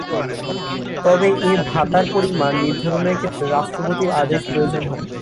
তবে এ ভাতার পরিমাণ নির্ধারণের ক্ষেত্রে রাষ্ট্রপতির আদেশ প্রয়োজন হয়।